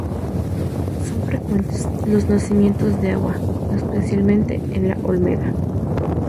Son frecuentes los nacimientos de agua, especialmente en La Olmeda.